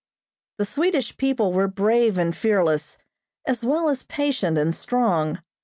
The Swedish people were brave and fearless, as well as patient and strong.